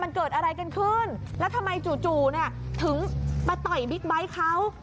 มันเกิดอะไรกันขึ้นแล้วทำไมจู่เนี่ยถึงมาต่อยบิ๊กไบท์เขา